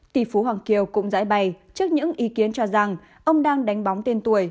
tỷ phú hoàng kiều cũng giải bày trước những ý kiến cho rằng ông đang đánh bóng tên tuổi